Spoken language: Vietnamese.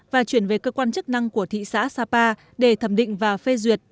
và chuyển về cơ quan chức năng của thị xã sapa để thẩm định và phê duyệt